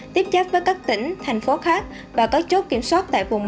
thành phố khác và các chốt kiểm soát tại vùng một